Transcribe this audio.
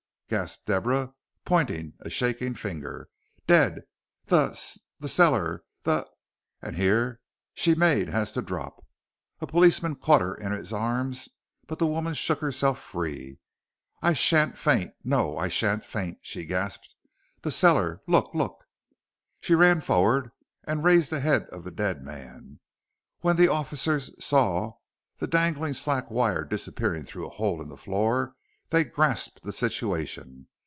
gasped Deborah, pointing a shaking finger. "Dead the the cellar the " and here she made as to drop. A policeman caught her in his arms, but the woman shook herself free. "I sha'n't faint no I sha'n't faint," she gasped, "the cellar look look " She ran forward and raised the head of the dead man. When the officers saw the dangling slack wire disappearing through a hole in the floor they grasped the situation.